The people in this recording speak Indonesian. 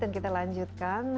dan kita lanjutkan